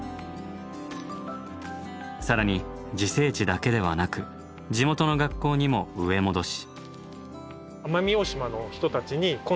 更に自生地だけではなく地元の学校にも植え戻し。